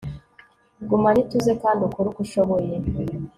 gumana ituze kandi ukore uko ushoboye